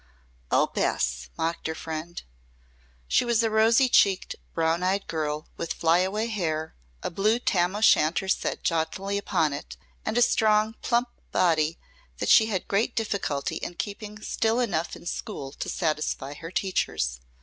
"Oh, Bess!" mocked her friend. She was a rosy cheeked, brown eyed girl, with fly away hair, a blue tam o' shanter set jauntily upon it, and a strong, plump body that she had great difficulty in keeping still enough in school to satisfy her teachers.